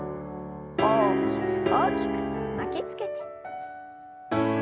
大きく大きく巻きつけて。